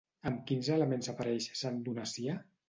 Amb quins elements apareix Sant Donacià?